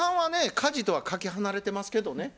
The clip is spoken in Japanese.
家事とはかけ離れてますけどね。